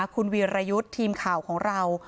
คุณวีรยุทธ์ทีมข่าวของเรา